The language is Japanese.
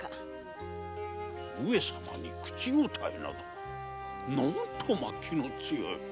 上様に口答えなどなんとまぁ気の強い。